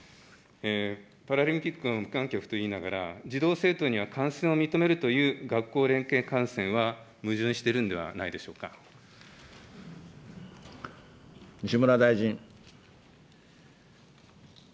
パラリンピック、無観客と言いながら、児童・生徒には観戦を認めるという学校連携観戦は矛盾してるんで西村大臣。